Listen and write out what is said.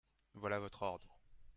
Voilà votre ordre.